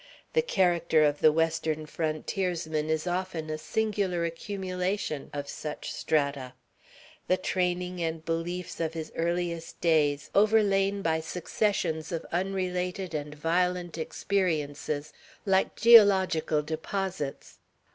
The character of the Western frontiersman is often a singular accumulation of such strata, the training and beliefs of his earliest days overlain by successions of unrelated and violent experiences, like geological deposits.